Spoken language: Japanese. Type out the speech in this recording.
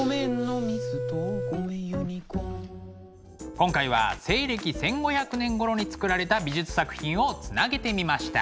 今回は西暦１５００年ごろにつくられた美術作品をつなげてみました。